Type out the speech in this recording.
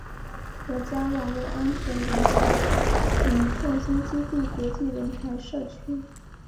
国家网络安全人才与创新基地国际人才社区